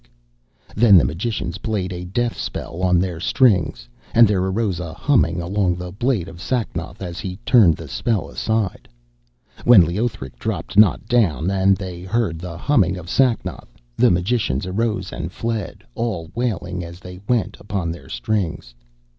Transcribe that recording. Then the magicians played a deathspell on their strings, and there arose a humming along the blade of Sacnoth as he turned the spell aside. When Leothric dropped not down, and they heard the humming of Sacnoth, the magicians arose and fled, all wailing, as they went, upon their strings.